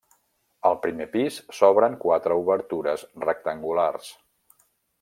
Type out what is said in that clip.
Al primer pis s'obren quatre obertures rectangulars.